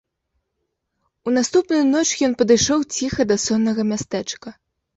У наступную ноч ён падышоў ціха да соннага мястэчка.